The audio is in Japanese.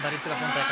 大会